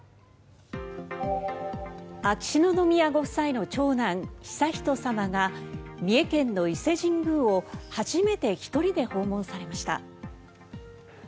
秋篠宮ご夫妻の長男悠仁さまが三重県の伊勢神宮を初めて１人で訪問されました。